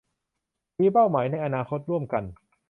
มีเป้าหมายในอนาคตร่วมกัน